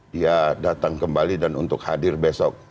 dia datang kembali dan untuk hadir besok